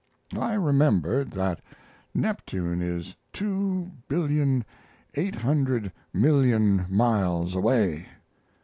I remembered that Neptune is two billion eight hundred million miles away.